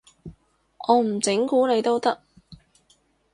我唔整蠱你都得